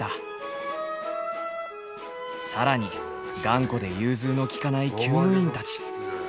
更に頑固で融通の利かないきゅう務員たち。